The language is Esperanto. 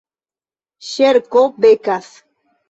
Ŝerko Bekas